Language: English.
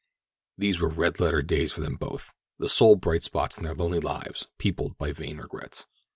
These were red letter days for them both—the sole bright spots in their lonely lives peopled by vain regrets.